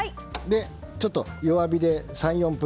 ちょっと弱火で３４分。